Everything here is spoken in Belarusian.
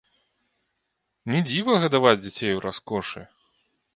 Не дзіва гадаваць дзяцей у раскошы!